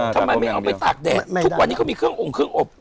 ทำไมไม่เอาไปตากแดดทุกวันนี้เขามีเครื่ององค์เครื่องอบ